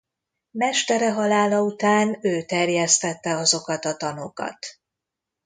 Mestere halála után ő terjesztette azokat a tanokat.